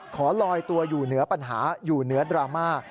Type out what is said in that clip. ขอลอยตัวอยู่เหนือปัญหาอยู่เหนือดราม่า